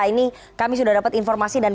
ini kami sudah dapat informasi dan